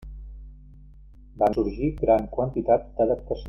Van sorgir gran quantitat d'adaptacions.